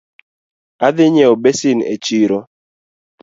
Adhi nyieo basin e chiro